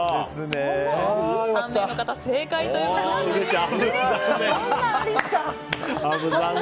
３名の方が正解ということになりました。